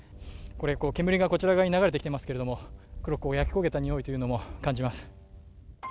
煙がこちら側に流れてきていますけども、黒く焼き焦げた匂いというのも感じます。